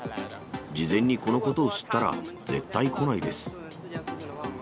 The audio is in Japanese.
事前にこのことを知ったら、絶対来ないです。